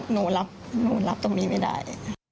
หนูรับหนูรับตรงนี้ไม่ได้